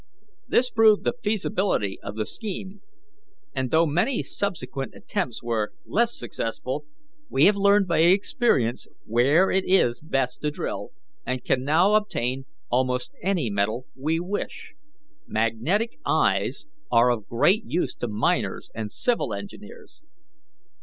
This proved the feasibility of the scheme, and, though many subsequent attempts were less successful, we have learned by experience where it is best to drill, and can now obtain almost any metal we wish. "'Magnetic eyes' are of great use to miners and Civil engineers.